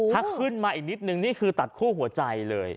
ถ้าขึ้นมาอีกนิดนึงนี่คือตัดคู่หัวใจเลย